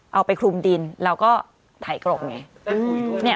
เอาไปคลุมดินแล้วก็ไถกรบไง